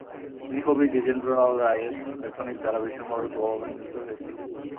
তিনি কবি দ্বিজেন্দ্রলাল রায়ের লেখনীর দ্বারা ভীষণভাবে প্রভাবান্বিত হয়েছিলেন।